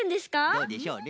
どうでしょうね。